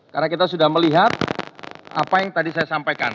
karena kita sudah melihat apa yang tadi saya sampaikan